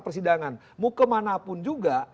persidangan mukemanapun juga